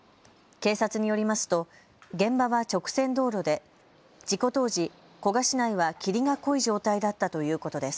警察によりますと現場は直線道路で事故当時、古河市内は霧が濃い状態だったということです。